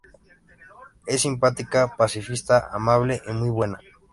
Es simpática, pacifista, amable y muy buena.